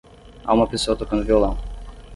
Há uma pessoa tocando violão.